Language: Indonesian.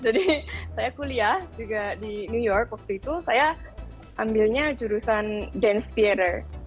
jadi saya kuliah juga di new york waktu itu saya ambilnya jurusan dance theater